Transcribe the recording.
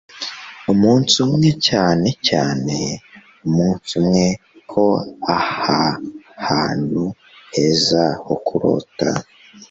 umunsi umwe cyane cyane, umunsi umwe ko aha hantu heza ho kurota